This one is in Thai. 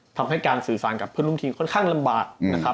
ทำให้การสื่อสารกับเพื่อนร่วมทีมค่อนข้างลำบากนะครับ